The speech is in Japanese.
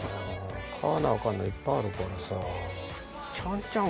買わなアカンのいっぱいあるからさ。